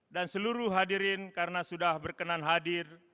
dan seluruh hadirin karena sudah berkenan hadir